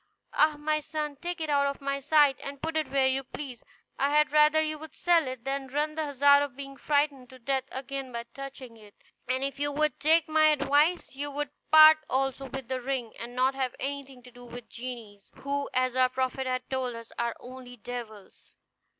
Ah! my son, take it out of my sight, and put it where you please. I had rather you would sell it than run the hazard of being frightened to death again by touching it; and if you would take my advice you would part also with the ring, and not have anything to do with genies, who, as our prophet has told us, are only devils."